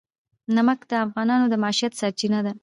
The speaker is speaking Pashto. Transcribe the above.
نمک د افغانانو د معیشت سرچینه ده.